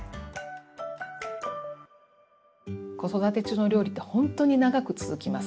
子育て中の料理って本当に長く続きます。